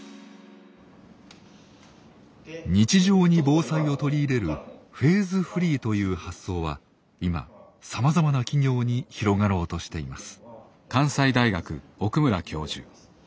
日常に防災を取り入れるフェーズフリーという発想は今さまざまな企業に広がろうとしています。